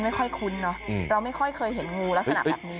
คุ้นเนอะเราไม่ค่อยเคยเห็นงูลักษณะแบบนี้